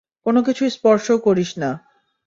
কোনোকিছু স্পর্শ করিস না।